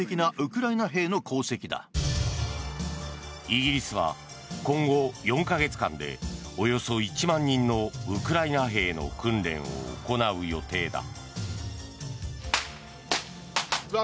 イギリスは今後４か月間でおよそ１万人のウクライナ兵の訓練を行う予定だ。